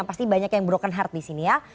pasti banyak yang broken heart disini ya